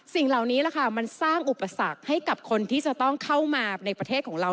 สิ่งเหล่านี้แหละค่ะมันสร้างอุปสรรคให้กับคนที่จะต้องเข้ามาในประเทศของเรา